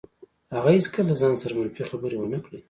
هغه هېڅکله له ځان سره منفي خبرې ونه کړې.